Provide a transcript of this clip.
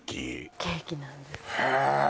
ケーキなんですへえ！